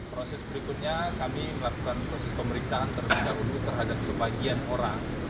proses berikutnya kami melakukan proses pemeriksaan terhadap sebagian orang